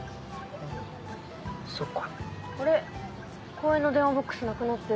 公園の電話ボックスなくなってる。